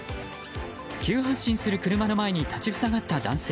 急発進する車の前に立ち塞がった男性。